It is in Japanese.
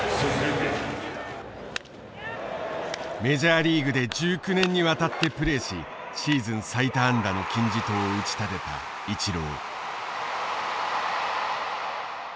メジャーリーグで１９年にわたってプレーしシーズン最多安打の金字塔を打ち立てたイチロー。